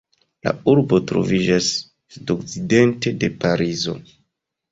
La urbo troviĝas sudokcidente de Parizo.